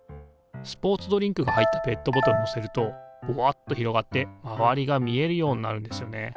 スポーツドリンクが入ったペットボトルのせるとボワッと広がって周りが見えるようになるんですよね。